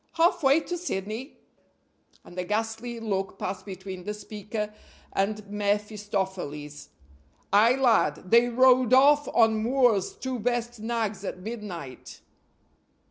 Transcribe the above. "Half way to Sydney?" and a ghastly look passed between the speaker and mephistopheles. "Ay, lad! they rode off on Moore's two best nags at midnight."